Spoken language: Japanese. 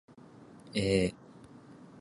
えー